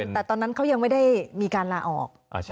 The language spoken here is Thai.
แต่ตอนนั้นเขายังไม่ได้มีการลาออก